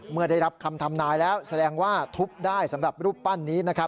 เมื่อได้รับคำทำนายแล้วแสดงว่าทุบได้สำหรับรูปปั้นนี้นะครับ